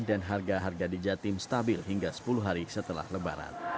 dan harga harga di jatim stabil hingga sepuluh hari setelah lebaran